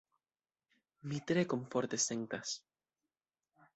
Mi tre komforte sentas.